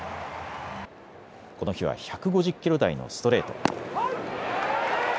この日は１５０キロ台のストレート。